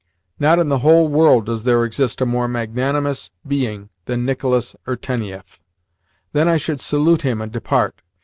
Not in the whole world does there exist a more magnanimous being than Nicolas Irtenieff.' Then I should salute him and depart.